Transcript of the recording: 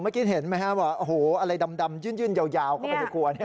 เมื่อกี้เห็นไหมครับว่าโอ้โหอะไรดำยื่นยาวเข้าไปในครัวเนี่ย